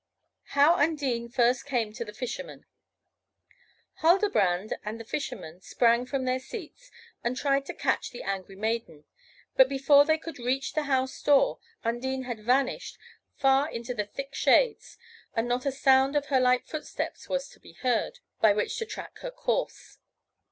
II. HOW UNDINE FIRST CAME TO THE FISHERMAN Huldbrand and the Fisherman sprang from their seats, and tried to catch the angry maiden; but before they could reach the house door, Undine had vanished far into the thick shades, and not a sound of her light footsteps was to be heard, by which to track her course.